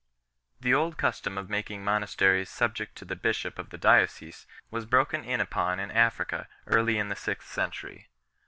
The old custom of making monasteries subject to the bishop of the diocese was broken in upon in Africa early in the sixth century.